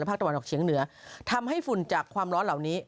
ตะวันออกเฉียงเหนือทำให้ฝุ่นจากความร้อนเหล่านี้